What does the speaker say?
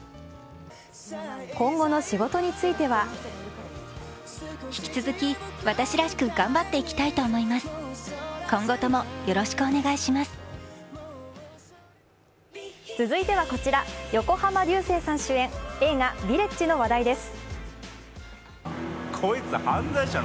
今後の仕事については続いては、横浜流星さん主演映画「ヴィレッジ」の話題です。